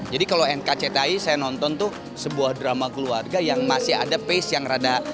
jadi kalau nkcthi saya nonton tuh sebuah drama keluarga yang masih ada pace yang rada